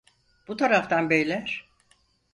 Bu taraftan beyler.